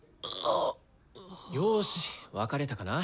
よし分かれたかな？